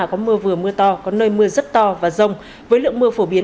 có mưa vừa mưa to có nơi mưa rất to và rông với lượng mưa phổ biến